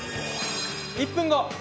１分後。